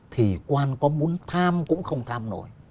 thì quan có muốn tham cũng không tham nổi